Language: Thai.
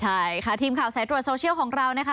ใช่ค่ะทีมข่าวสายตรวจโซเชียลของเรานะคะ